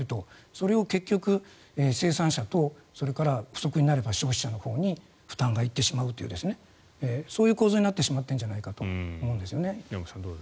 それを結局、生産者と不足になれば消費者のほうに負担が行ってしまうという構図になってしまってるんじゃないかと思うんですね。